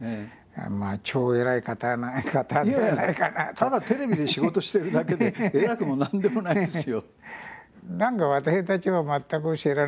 ただテレビで仕事してるだけで偉くも何でもないですよ。